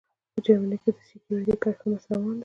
په جرمني کې د سیکیورټي کار ښه مست روان دی